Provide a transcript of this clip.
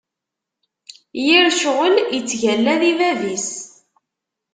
Yir ccɣel ittgalla di bab-is.